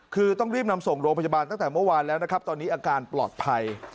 คือต้องรีบนำส่งโรงพยาบาลตั้งแต่เมื่อวานแล้วนะครับตอนนี้อาการปลอดภัย